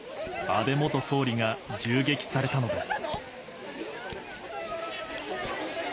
安倍元総理が銃撃されたのです。